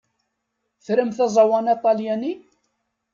Tramt aẓawan aṭalyani?